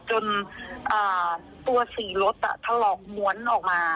จนอ่าตัวสี่รถอะถลักหมวนออกมา